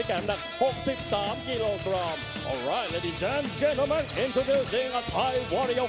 และตอนนี้มันถึงมุมไว้คู่แล้วนะครับ